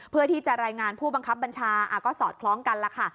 เพื่อที่จะรายงานผู้บังคับบัญชาก็สอดคล้องกันล่ะค่ะ